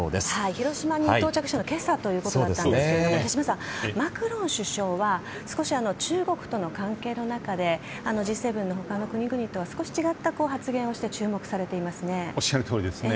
広島に到着したのは今朝ということだったんですが手嶋さん、マクロン氏は少し中国との関係の中でＧ７の他の国々と少し違った発言をされておっしゃるとおりですね。